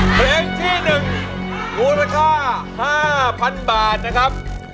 เพลงที่๑มูลค่า๕๐๐๐บาทนะครับ